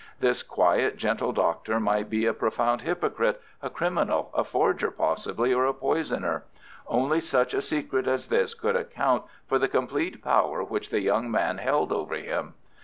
This quiet, gentle Doctor might be a profound hypocrite, a criminal, a forger possibly, or a poisoner. Only such a secret as this could account for the complete power which the young man held over him.